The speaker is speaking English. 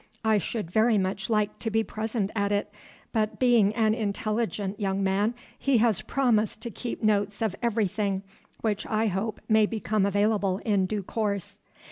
I should very much like to be present at it, but being an intelligent young man he has promised to keep notes of everything, which I hope may become available in due course."